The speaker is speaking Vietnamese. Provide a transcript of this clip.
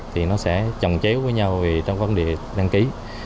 thì nó sẽ trồng chéo với nhau trong vấn đề đăng ký